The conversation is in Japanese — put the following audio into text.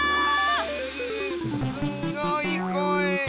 すごい声。